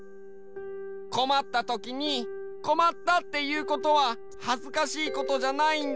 こまったときにこまったっていうことははずかしいことじゃないんだよ。